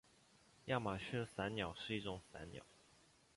亚马逊伞鸟是一种伞鸟。